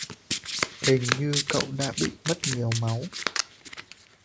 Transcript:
Hình như cậu đã bị mất nhiều máu